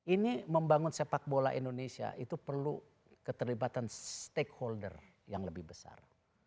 ini membangun sepak bola indonesia itu perlu keterlibatan stakeholder yang lebih besar